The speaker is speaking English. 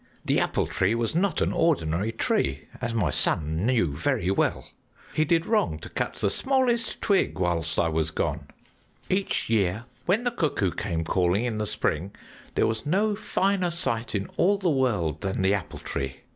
The Apple Tree was not an ordinary tree, as my son knew very well! He did wrong to cut the smallest twig whilst I was gone. "Each year, when the cuckoo came calling in the spring, there was no finer sight in all the world than the Apple Tree.